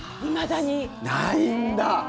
ないんだ！